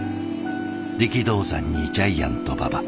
力道山にジャイアント馬場。